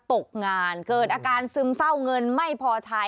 ตกงานเกิดอาการซึมเศร้าเงินไม่พอใช้